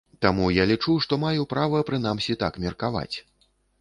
Таму я лічу, што маю права прынамсі так меркаваць.